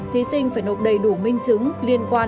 thí sinh phải nộp đầy đủ minh chứng liên quan